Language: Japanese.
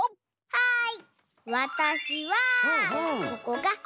はい！